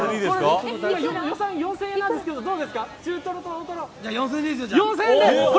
予算４０００円ですがどうですか。